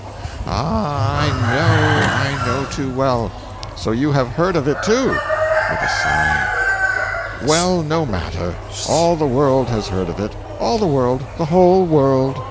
Ah, I know—I know too well. So you have heard of it too." [With a sigh.] "Well, no matter—all the world has heard of it. All the world. The whole world.